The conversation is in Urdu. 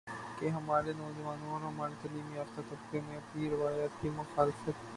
کہ ہمارے نوجوانوں اور ہمارے تعلیم یافتہ طبقہ میں اپنی روایات کی مخالفت